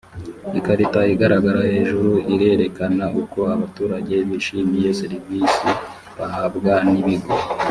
ikarita igaragara hejuru irerekana uko abaturage bishimiye servisi bahabwa n ibigo